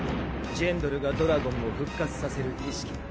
ジェンドルがドラゴンを復活させる儀式が。